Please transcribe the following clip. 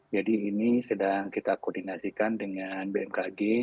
jadi ini sedang kita koordinasikan dengan bmkg